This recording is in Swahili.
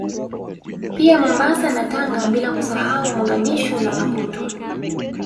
Pia Mombasa na Tanga bila kusahau Mogadishu na Maputo